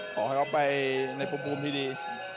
ขอให้เขาไปในภูมิที่ดี